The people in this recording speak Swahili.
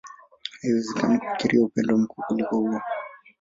Haiwezekani kufikiria upendo mkuu kuliko huo.